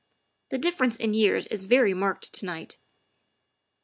The difference in years is very marked to night."